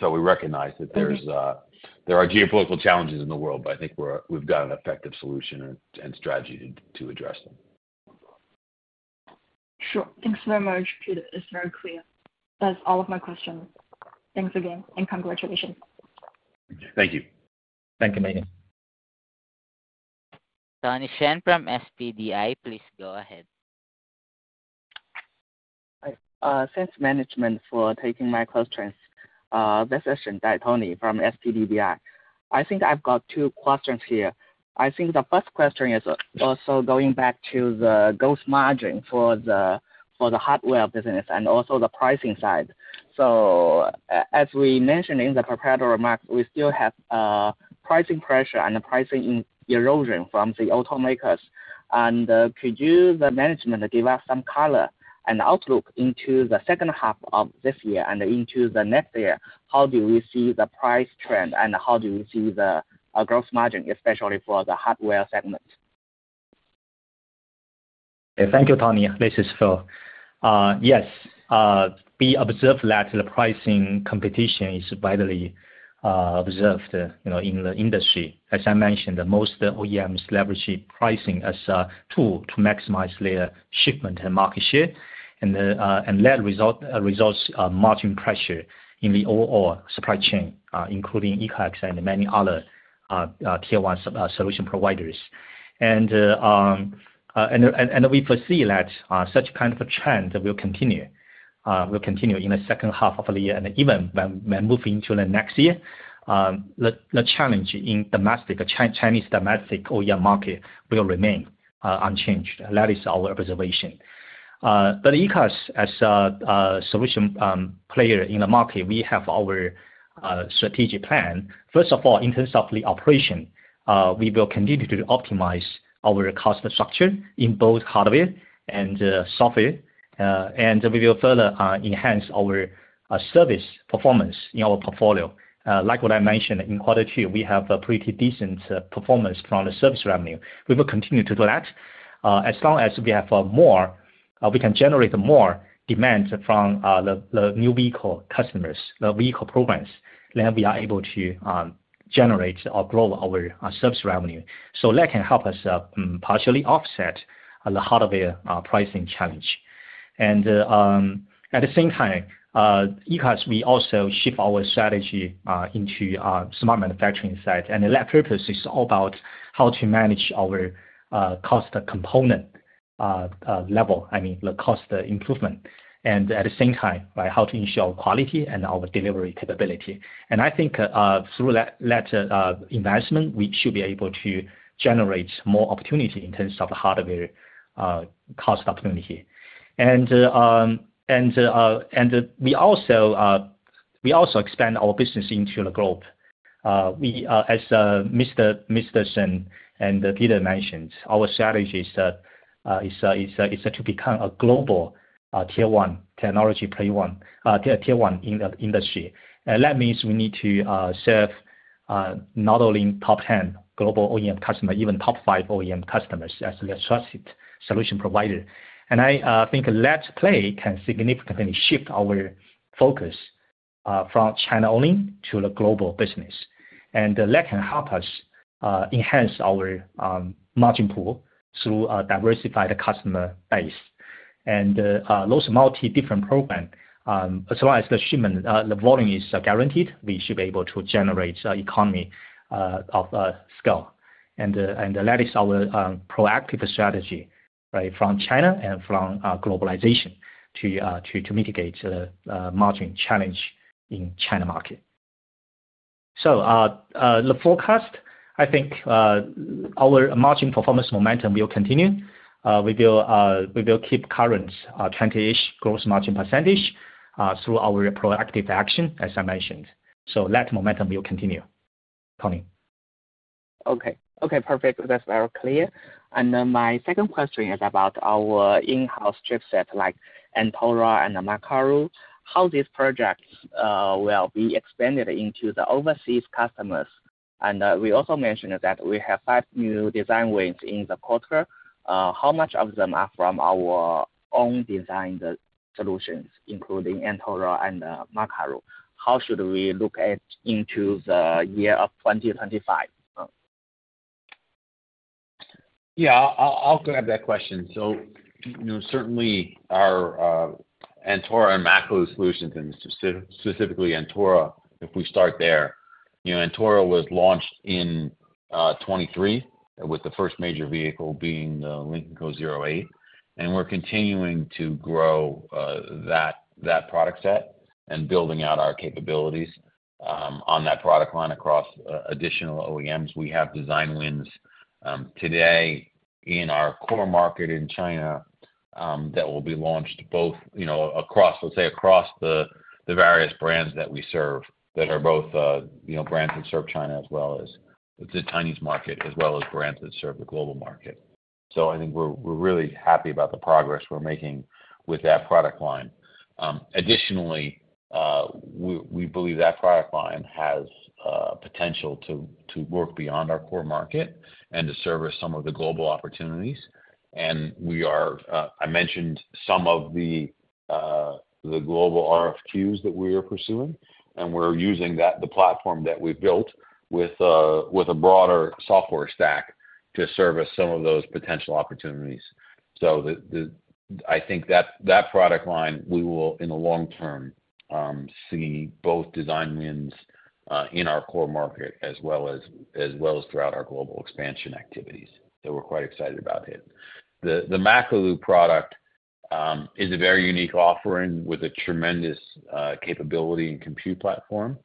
So we recognize that there are geopolitical challenges in the world, but I think we've got an effective solution and strategy to address them. Sure. Thanks very much, Peter. It's very clear. That's all of my questions. Thanks again and congratulations. Thank you. Thank you, Megan. Tony Shen from SPDBI, please go ahead. Thanks, Management, for taking my questions. This is Tony Shen from SPDBI. I think I've got two questions here. I think the first question is also going back to the gross margin for the hardware business and also the pricing side. So as we mentioned in the preparatory remarks, we still have pricing pressure and pricing erosion from the automakers. And could you, the management, give us some color and outlook into the second half of this year and into the next year? How do we see the price trend and how do we see the gross margin, especially for the hardware segment? Thank you, Tony. This is Phil. Yes. We observe that the pricing competition is widely observed in the industry. As I mentioned, most OEMs leverage pricing as a tool to maximize their shipment and market share and that results in margin pressure in the overall supply chain, including ECARX and many other tier-one solution providers. We foresee that such kind of a trend will continue in the second half of the year. Even when moving into the next year, the challenge in Chinese domestic OEM market will remain unchanged. That is our observation. But ECARX, as a solution player in the market, we have our strategic plan. First of all, in terms of the operation, we will continue to optimize our cost structure in both hardware and software. We will further enhance our service performance in our portfolio. Like what I mentioned, in quarter two, we have a pretty decent performance from the service revenue. We will continue to do that. As long as we have more, we can generate more demand from the new vehicle customers, the vehicle programs, then we are able to generate or grow our service revenue. So that can help us partially offset the hardware pricing challenge. And at the same time, ECARX, we also shift our strategy into smart manufacturing side. And that purpose is all about how to manage our cost component level, I mean, the cost improvement. And at the same time, how to ensure quality and our delivery capability. And I think through that investment, we should be able to generate more opportunity in terms of the hardware cost opportunity. And we also expand our business into the globe. As Mr. Shen and Peter mentioned our strategy is to become a global tier-one technology player in the industry. That means we need to serve not only top 10 global OEM customers, even top five OEM customers as a trusted solution provider. I think that play can significantly shift our focus from China only to the global business. That can help us enhance our margin pool through a diversified customer base. Those multi-different programs, as long as the shipment volume is guaranteed, we should be able to generate an economy of scale. That is our proactive strategy from China and from globalization to mitigate the margin challenge in the China market. The forecast, I think our margin performance momentum will continue. We will keep current 20%-ish gross margin through our proactive action, as I mentioned. That momentum will continue. Tony. Okay. Okay. Perfect. That's very clear. My second question is about our in-house chipset like Antora and Makalu. How these projects will be expanded into the overseas customers? We also mentioned that we have five new design wins in the quarter. How much of them are from our own design solutions, including Antora and Makalu? How should we look into the year of 2025? Yeah. I'll grab that question. So certainly, our Antora and Makalu solutions, and specifically Antora, if we start there. Antora was launched in 2023, with the first major vehicle being the Lynk & Co 08. And we're continuing to grow that product set and building out our capabilities on that product line across additional OEMs. We have design wins today in our core market in China that will be launched both, let's say, across the various brands that we serve that are both brands that serve China as well as the Chinese market as well as brands that serve the global market. So I think we're really happy about the progress we're making with that product line. Additionally, we believe that product line has potential to work beyond our core market and to service some of the global opportunities. And I mentioned some of the global RFQs that we are pursuing. We're using the platform that we've built with a broader software stack to service some of those potential opportunities. So I think that product line, we will, in the long term, see both design wins in our core market as well as throughout our global expansion activities. So we're quite excited about it. The Makalu product is a very unique offering with a tremendous capability and compute platform.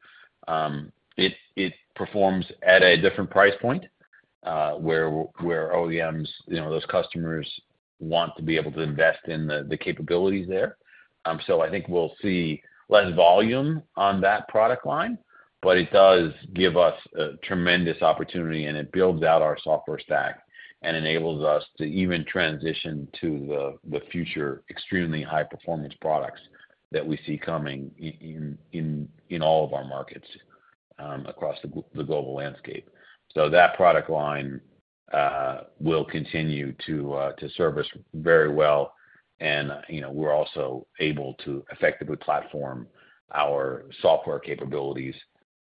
It performs at a different price point where OEMs, those customers, want to be able to invest in the capabilities there. So I think we'll see less volume on that product line, but it does give us a tremendous opportunity, and it builds out our software stack and enables us to even transition to the future extremely high-performance products that we see coming in all of our markets across the global landscape. That product line will continue to service very well. We're also able to effectively platform our software capabilities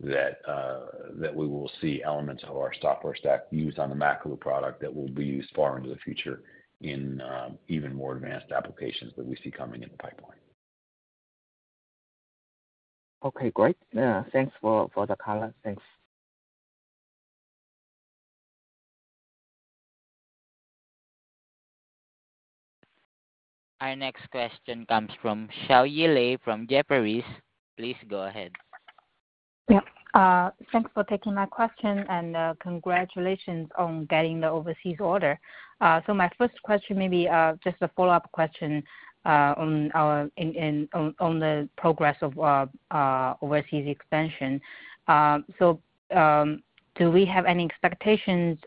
that we will see elements of our software stack used on the Makalu product that will be used far into the future in even more advanced applications that we see coming in the pipeline. Okay. Great. Thanks for the color. Thanks. Our next question comes from Xiaoyi Lei from Jefferies. Please go ahead. Yep. Thanks for taking my question and congratulations on getting the overseas order. So my first question, maybe just a follow-up question on the progress of overseas expansion. So do we have any expectations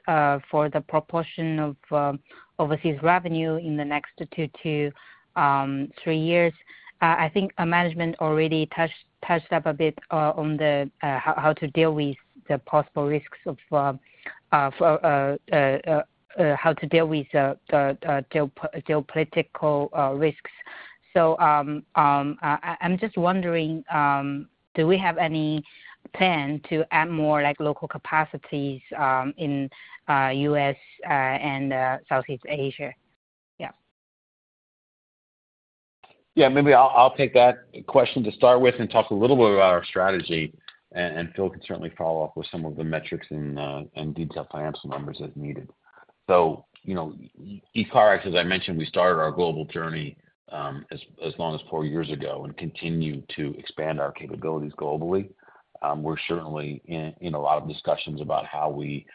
for the proportion of overseas revenue in the next two to three years? I think management already touched up a bit on how to deal with the possible risks of how to deal with geopolitical risks. So I'm just wondering, do we have any plan to add more local capacities in the U.S. and Southeast Asia? Yeah. Yeah. Maybe I'll take that question to start with and talk a little bit about our strategy. And Phil can certainly follow up with some of the metrics and detailed financial numbers as needed. So ECARX, as I mentioned, we started our global journey as long as four years ago and continue to expand our capabilities globally. We're certainly in a lot of discussions about how we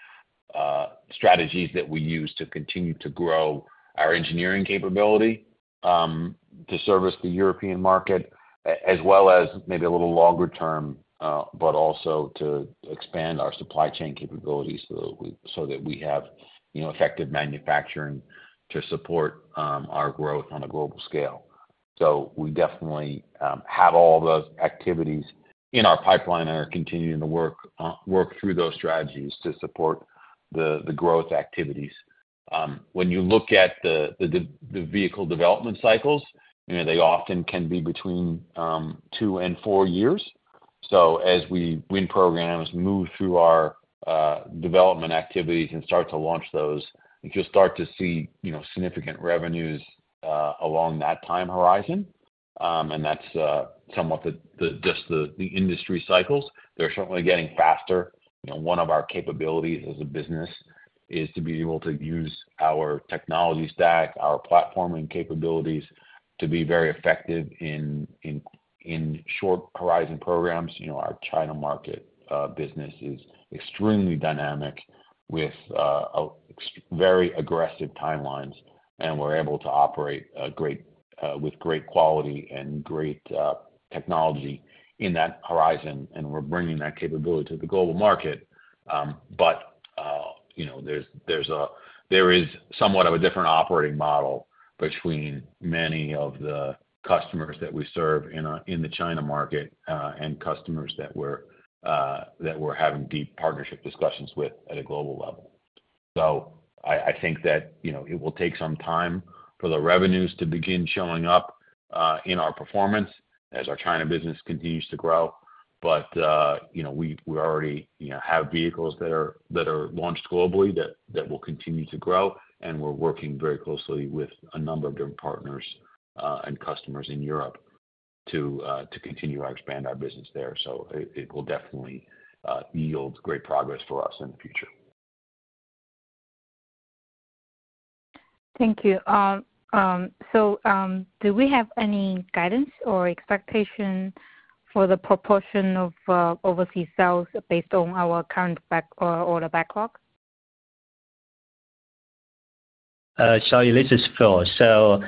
strategies that we use to continue to grow our engineering capability to service the European market, as well as maybe a little longer term, but also to expand our supply chain capabilities so that we have effective manufacturing to support our growth on a global scale. So we definitely have all those activities in our pipeline and are continuing to work through those strategies to support the growth activities. When you look at the vehicle development cycles, they often can be between two and four years. So as we win programs, move through our development activities, and start to launch those, you'll start to see significant revenues along that time horizon. That's somewhat just the industry cycles. They're certainly getting faster. One of our capabilities as a business is to be able to use our technology stack, our platforming capabilities to be very effective in short horizon programs. Our China market business is extremely dynamic with very aggressive timelines. We're able to operate with great quality and great technology in that horizon. We're bringing that capability to the global market. But there is somewhat of a different operating model between many of the customers that we serve in the China market and customers that we're having deep partnership discussions with at a global level. I think that it will take some time for the revenues to begin showing up in our performance as our China business continues to grow. But we already have vehicles that are launched globally that will continue to grow. We're working very closely with a number of different partners and customers in Europe to continue to expand our business there. It will definitely yield great progress for us in the future. Thank you. So do we have any guidance or expectation for the proportion of overseas sales based on our current order backlog? Xiaoyi Lei, this is Phil. So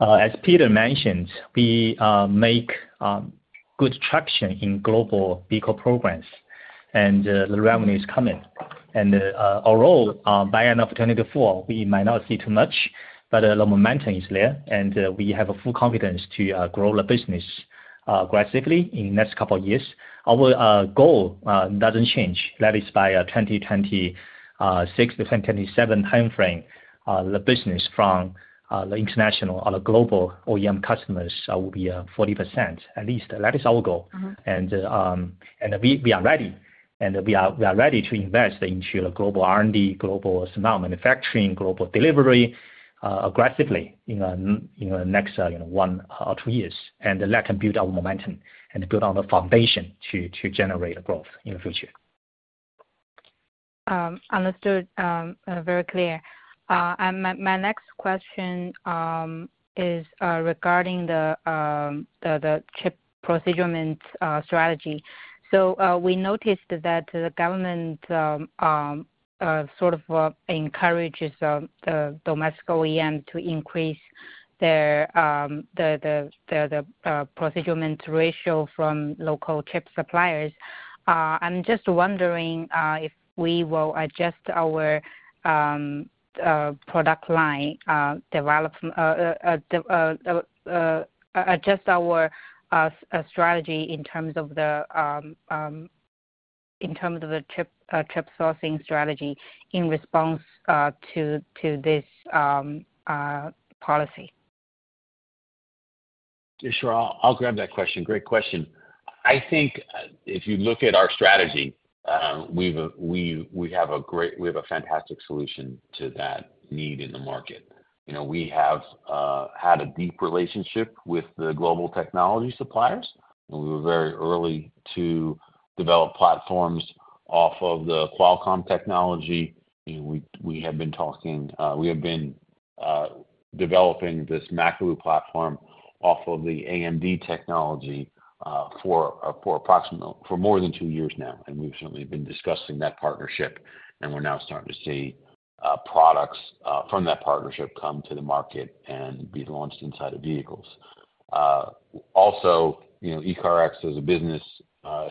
as Peter mentioned, we make good traction in global vehicle programs. The revenue is coming. Although by end of 2024, we might not see too much, but the momentum is there. We have full confidence to grow the business aggressively in the next couple of years. Our goal doesn't change. That is by 2026 to 2027 timeframe, the business from the international or the global OEM customers will be 40% at least. That is our goal. We are ready. We are ready to invest into the global R&D, global smart manufacturing, global delivery aggressively in the next one or two years. That can build our momentum and build on the foundation to generate growth in the future. Understood. Very clear. My next question is regarding the chip procurement strategy. We noticed that the government sort of encourages the domestic OEM to increase the procurement ratio from local chip suppliers. I'm just wondering if we will adjust our product line, adjust our strategy in terms of the chip sourcing strategy in response to this policy. Sure. I'll grab that question. Great question. I think if you look at our strategy, we have a fantastic solution to that need in the market. We have had a deep relationship with the global technology suppliers. We were very early to develop platforms off of the Qualcomm technology. We have been talking. We have been developing this Makalu platform off of the AMD technology for more than two years now. We've certainly been discussing that partnership. We're now starting to see products from that partnership come to the market and be launched inside of vehicles. Also, ECARX as a business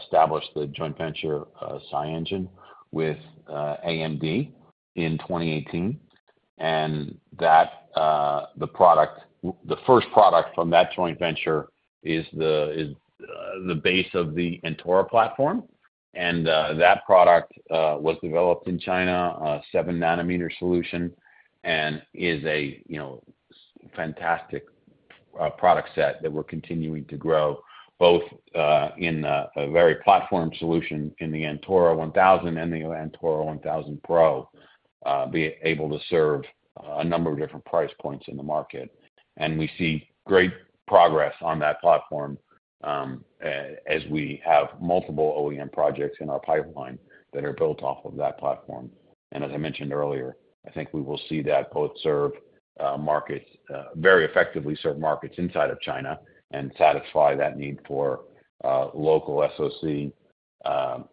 established the joint venture SiEngine with AMD in 2018. The first product from that joint venture is the base of the Antora platform. That product was developed in China, a 7 nm solution, and is a fantastic product set that we're continuing to grow, both in a very platform solution in the Antora 1000 and the Antora 1000 Pro, be able to serve a number of different price points in the market. We see great progress on that platform as we have multiple OEM projects in our pipeline that are built off of that platform. As I mentioned earlier, I think we will see that both serve markets very effectively, serve markets inside of China and satisfy that need for local SoC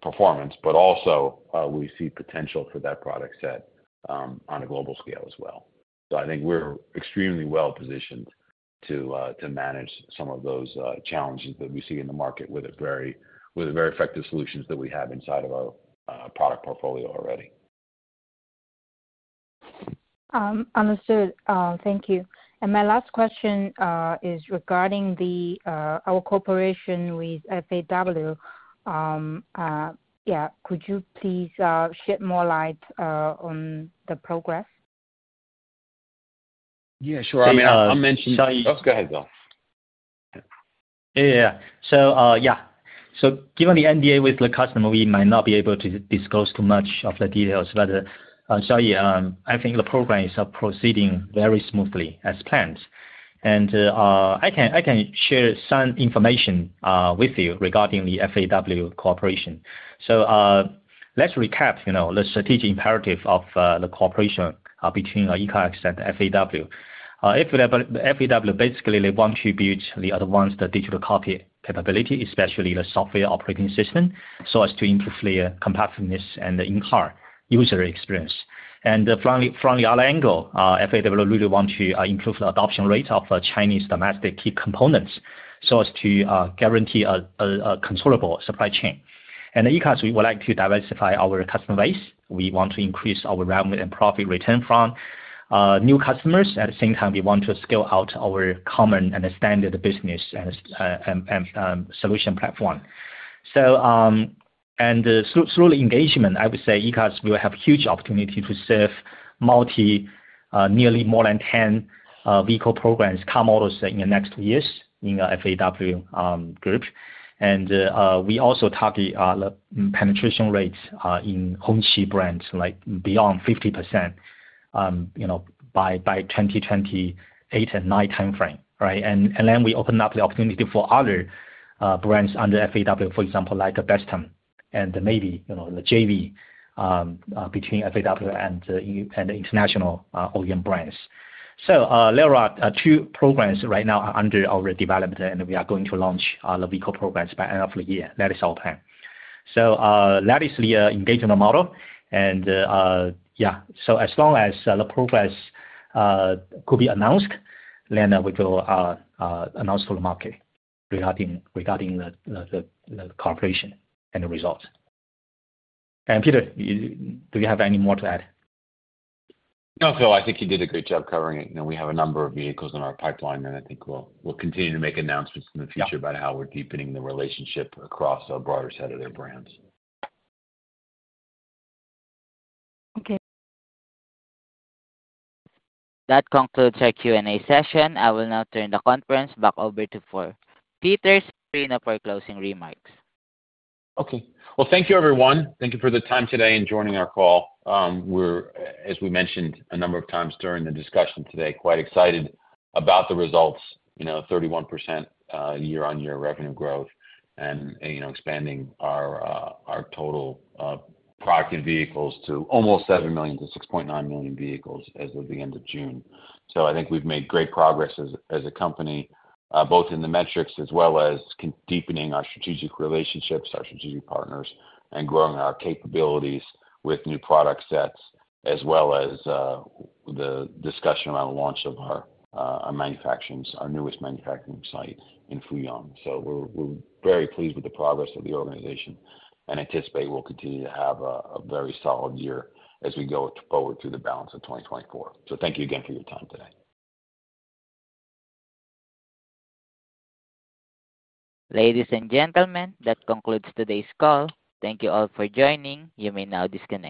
performance. But also, we see potential for that product set on a global scale as well. I think we're extremely well positioned to manage some of those challenges that we see in the market with the very effective solutions that we have inside of our product portfolio already. Understood. Thank you. And my last question is regarding our cooperation with FAW. Yeah. Could you please shed more light on the progress? Yeah. Sure. I mean, I mentioned. Xiaoyi Lei. Oh, go ahead, Phil. Yeah. Yeah. So yeah. So given the NDA with the customer, we might not be able to disclose too much of the details. But Xiaoyi Lei, I think the program is proceeding very smoothly as planned. And I can share some information with you regarding the FAW cooperation. So let's recap the strategic imperative of the cooperation between ECARX and FAW. FAW, basically, they want to build the advanced digital cockpit capability, especially the software operating system, so as to improve the compatibility and the in-car user experience. And from the other angle, FAW really wants to improve the adoption rate of Chinese domestic key components so as to guarantee a controllable supply chain. And ECARX, we would like to diversify our customer base. We want to increase our revenue and profit return from new customers. At the same time, we want to scale out our common and standard business and solution platform. And through the engagement, I would say ECARX will have a huge opportunity to serve nearly more than 10 vehicle programs, car models in the next two years in the FAW Group. And we also target penetration rates in Hongqi brands like beyond 50% by 2028 and 2029 timeframe. Right? And then we open up the opportunity for other brands under FAW, for example, like Bestune and maybe JV between FAW and international OEM brands. So there are two programs right now under our development, and we are going to launch the vehicle programs by the end of the year. That is our plan. So that is the engagement model. And yeah. As long as the progress could be announced, then we will announce to the market regarding the cooperation and the results. And Peter, do you have any more to add? No, Phil. I think you did a great job covering it. We have a number of vehicles in our pipeline, and I think we'll continue to make announcements in the future about how we're deepening the relationship across a broader set of their brands. Okay. That concludes our Q&A session. I will now turn the conference back over to Phil. Peter, sorry enough for closing remarks. Okay. Well, thank you, everyone. Thank you for the time today and joining our call. We're, as we mentioned a number of times during the discussion today, quite excited about the results: 31% year-on-year revenue growth and expanding our total product in vehicles to almost 7-6.9 million vehicles as of the end of June. So I think we've made great progress as a company, both in the metrics as well as deepening our strategic relationships, our strategic partners, and growing our capabilities with new product sets, as well as the discussion around the launch of our newest manufacturing site in Fuyang. So we're very pleased with the progress of the organization and anticipate we'll continue to have a very solid year as we go forward through the balance of 2024. So thank you again for your time today. Ladies and gentlemen, that concludes today's call. Thank you all for joining. You may now disconnect.